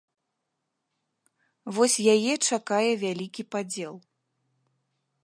Вось яе чакае вялікі падзел.